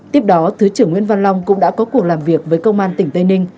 tiếp đó thứ trưởng nguyễn văn long cũng đã có cuộc làm việc với công an tỉnh tây ninh